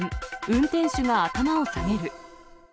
運転手が頭を下げる。